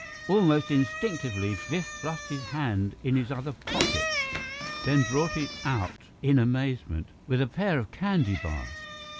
Almost instinctively, Biff thrust his hand in his other pocket, then brought it out in amazement, with a pair of candy bars.